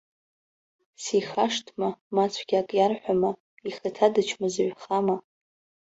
Сихашҭма, ма цәгьак иарҳәама, ихаҭа дычмазаҩхама?